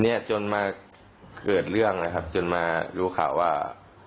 เนี้ยจนมาเกิดเรื่องนะครับจนมารู้ข่าวว่า